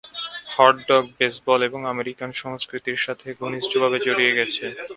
Hot dog baseball এবং American সংস্কৃতির সাথে ঘনিষ্ঠভাবে জড়িয়ে গেছে।